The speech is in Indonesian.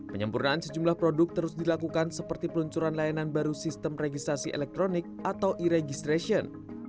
penyempurnaan sejumlah produk terus dilakukan seperti peluncuran layanan baru sistem registrasi elektronik atau e registration